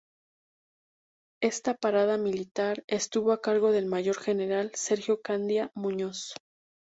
Esta parada militar estuvo a cargo del Mayor General Sergio Candia Muñoz.